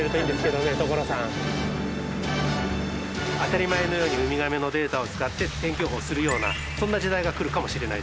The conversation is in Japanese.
当たり前のようにウミガメのデータを使って天気予報をするようなそんな時代が来るかもしれない。